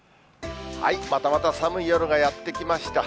またまた寒い夜がやって来ました。